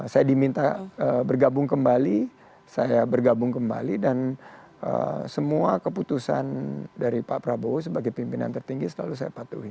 saya diminta bergabung kembali saya bergabung kembali dan semua keputusan dari pak prabowo sebagai pimpinan tertinggi selalu saya patuhi